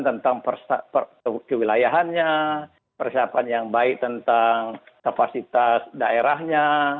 tentang kewilayahannya persiapan yang baik tentang kapasitas daerahnya